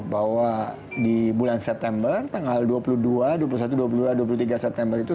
bahwa di bulan september tanggal dua puluh dua dua puluh satu dua puluh dua dua puluh tiga september itu